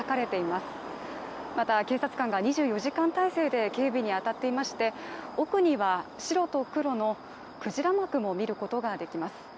また警察官が２４時間態勢で警備に当たっていまして、奥には白と黒の鯨幕を見ることができます。